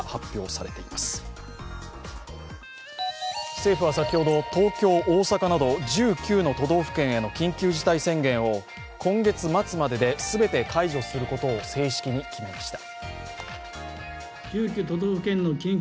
政府は先ほど、東京、大阪など１９の都道府県への緊急事態宣言を今月末までで全て解除することを正式に決めました。